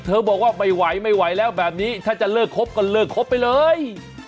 บอกว่าไม่ไหวไม่ไหวแล้วแบบนี้ถ้าจะเลิกครบก็เลิกครบไปเลย